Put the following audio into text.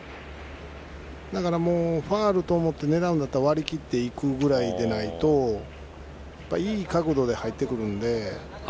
だからファウルと思って狙うんだったら割り切っていくぐらいでないといい角度で入ってくるので。